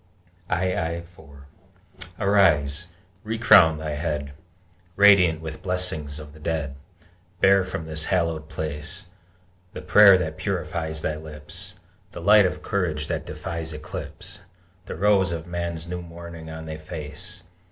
II 4 Arise! Recrown thy head, Radiant with blessings of the Dead! Bear from this hallowed place The prayer that purifies thy lips, The light of courage that defies eclipse, The rose of Man's new morning on thy face!